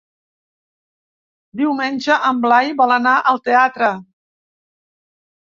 Diumenge en Blai vol anar al teatre.